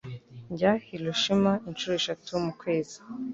Njya Hiroshima inshuro eshatu mu kwezi.